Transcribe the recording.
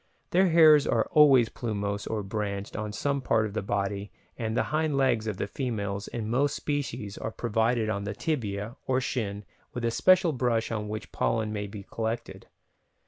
Their hairs are always plumose or branched on some part of the body and the hind legs of the females in most species are provided on the tibia or shin with a special brush on which pollen may be collected.